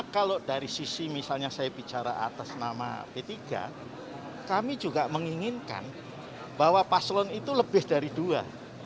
kalau dari sisi misalnya saya bicara atas nama p tiga kami juga menginginkan bahwa paslon itu lebih dari dua